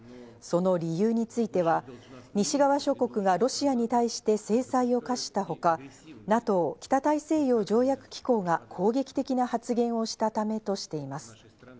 その理由については西側諸国がロシアに対して制裁を科したほか、ＮＡＴＯ＝北大西洋条約機構が攻撃的な発言をしたためとしています。